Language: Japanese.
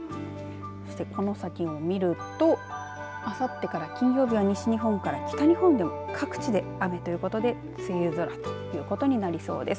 そして、この先を見るとあさってから金曜日は西日本から北日本でも各地で雨ということで梅雨空ということになりそうです。